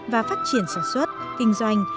và phát triển sản xuất kinh doanh